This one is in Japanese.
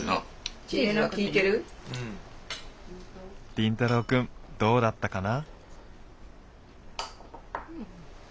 凛太郎くんどうだったかな？